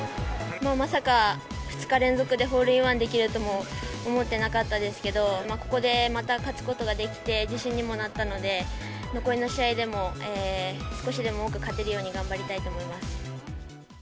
まさか、２日連続でホールインワンできるとも思ってなかったですけど、ここでまた勝つことができて、自信にもなったので、残りの試合でも少しでも多く勝てるように頑張りたいと思います。